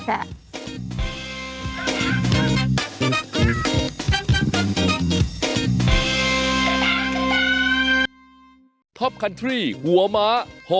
ใช่วันที่๒๗แล้ววันที่๒๗แล้วได้ครับผมจะอย่างไรช่วงหน้าสักครู่เดี๋ยวครับ